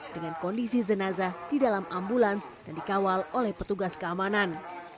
dengan kondisi jenazah di dalam ambulans dan dikawal oleh petugas keamanan